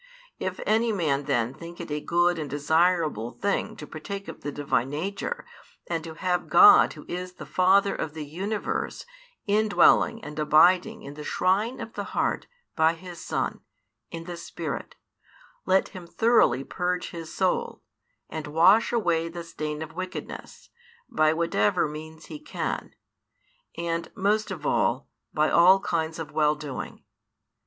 If any man then think it a good and desirable thing to partake of the Divine nature and to have God Who is the Father of the universe indwelling and abiding in the shrine of the heart by His Son, in the Spirit, let him thoroughly purge his soul, and wash away the stain of wickedness, by whatever means he can; and most of all, by all kinds of well doing.